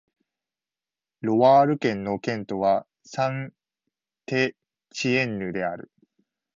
ロワール県の県都はサン＝テチエンヌである